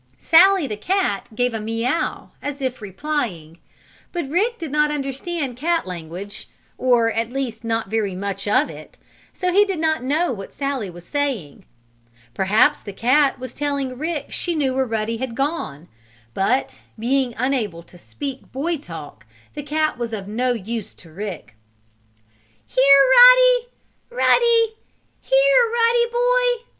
Sallie, the cat, gave a meaouw as if replying, but Rick did not understand cat language, or at least not very much of it, so he did not know what Sallie was saying. Perhaps the cat was telling Rick she knew where Ruddy had gone, but, being unable to speak boy talk, the cat was of no use to Rick. "Here, Ruddy! Ruddy! Here, Ruddy, boy!"